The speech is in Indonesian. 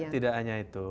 tidak hanya itu